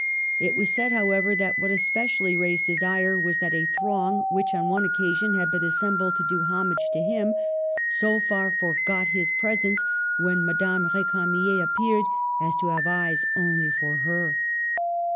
It was said, however, that what specially raised his ire was that a throng which on one occasion had been assembled to do homage to him, so far forgot his presence, when Madame R^camier appeared, as to have eyes only for her.